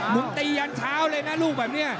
มุมตียานเท้าเลยนะลูกแบบเนี้ย